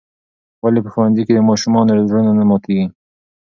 ولې په ښوونځي کې د ماشومانو زړونه نه ماتیږي؟